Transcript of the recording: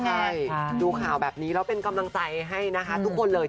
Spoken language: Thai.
ใช่ดูข่าวแบบนี้แล้วเป็นกำลังใจให้นะคะทุกคนเลย